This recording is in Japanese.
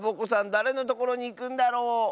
だれのところにいくんだろう？